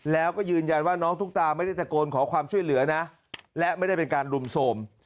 แล้วก็ยืนยันว่าน้องตุ๊กตาไม่ได้ตะโกนขอความช่วยเหลือนะและไม่ได้เป็นการรุมโทรม